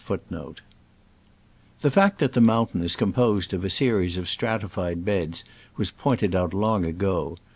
f The fact that the mountain is com posed of a series of stratified beds was pointed out long ago.